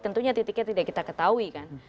tentunya titiknya tidak kita ketahui kan